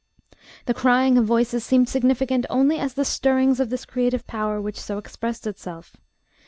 The crying of voices seemed significant only as the stirrings of this creative power which so expressed itself.